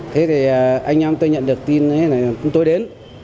thế thì anh em tôi nhận được tin là chúng tôi đến